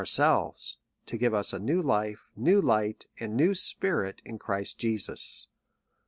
ourselves, to giv€ us a new life, new lig'ht, and new spirit in Christ Jesus.